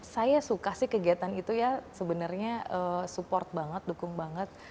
saya suka sih kegiatan itu ya sebenarnya support banget dukung banget